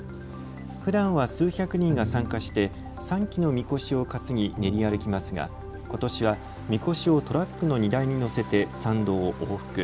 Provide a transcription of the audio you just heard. ふだんは数百人が参加して３基のみこしを担ぎ練り歩きますがことしはみこしをトラックの荷台にのせて参道を往復。